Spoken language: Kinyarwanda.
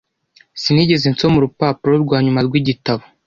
Sinigeze nsoma urupapuro rwanyuma rw'igitabo.